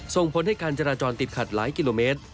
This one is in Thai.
ส่งผลให้การจราจรติดขัดหลายกิโลเมตร